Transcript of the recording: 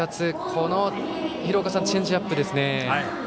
このチェンジアップですね。